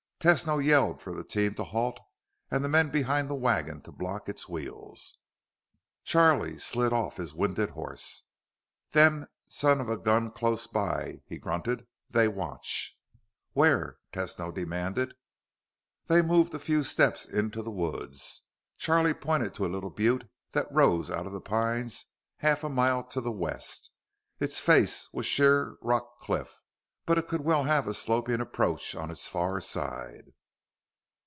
Tesno yelled for the team to halt and the men behind the wagon to block its wheels. Charlie slid off his winded horse. "Them son of a gun close by," he grunted. "They watch." "Where?" Tesno demanded. They moved a few steps into the woods. Charlie pointed to a little butte that rose out of the pines half a mile to the west. Its face was sheer rock cliff, but it could well have a sloping approach on its far side.